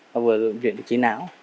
và vừa luyện được trí não